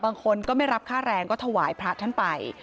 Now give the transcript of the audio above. บางคนก็ไม่รับค่าแรงก็ถวายพระท่านไป